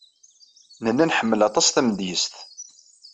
Nella nḥemmel aṭas tamedyazt.